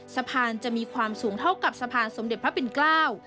สะพานจะมีความสูงเท่ากับสะพานสมเด็จพระปิ่นเกล้า